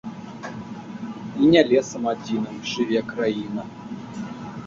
І не лесам адзіным жыве краіна.